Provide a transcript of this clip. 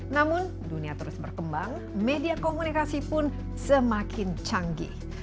namun dunia terus berkembang media komunikasi pun semakin canggih